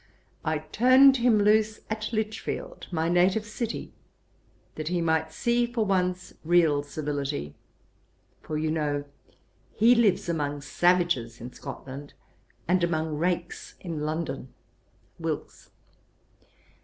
I turned him loose at Lichfield, my native city, that he might see for once real civility: for you know he lives among savages in Scotland, and among rakes in London.' WILKES.